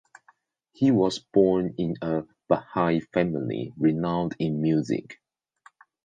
He was born in a Baha'i family renowned in music.